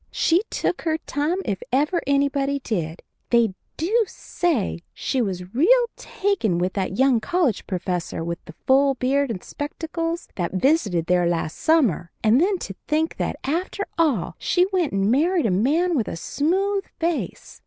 She took her time if ever anybody did. They do say she was real taken with that young college professor with the full beard and spectacles that visited there last summer, and then to think that, after all, she went and married a man with a smooth face.